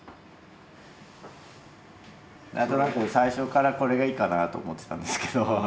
なんとなく最初っからこれがいいかなと思ってたんですけど。